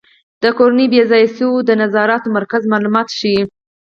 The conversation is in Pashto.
د کورنیو بې ځایه شویو د نظارت مرکز معلومات ښيي.